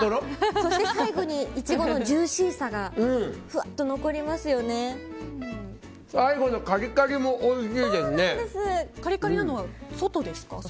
そして最後にイチゴのジューシーさが最後のカリカリもカリカリなのは外ですか。